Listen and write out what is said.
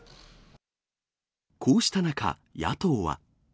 こうした中、野党は。